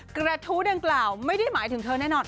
กระทู้ดังกล่าวไม่ได้หมายถึงเธอแน่นอน